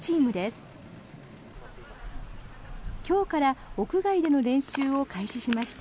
今日から屋外での練習を開始しました。